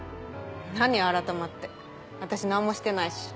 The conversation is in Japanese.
何改まって私何もしてないし。